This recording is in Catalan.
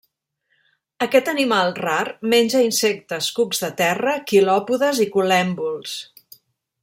Aquest animal rar menja insectes, cucs de terra, quilòpodes i col·lèmbols.